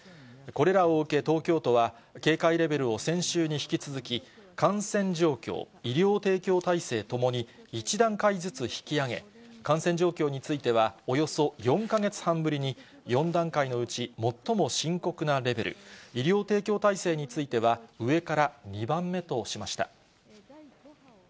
これらを受け、東京都は、警戒レベルを先週に引き続き、感染状況、医療提供体制ともに１段階ずつ引き上げ、感染状況については、およそ４か月半ぶりに、４段階のうち最も深刻なレベル、医療提供体制については上から２番目としました。